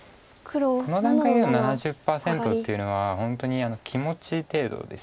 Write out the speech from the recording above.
この段階での７０％っていうのは本当に気持ち程度です。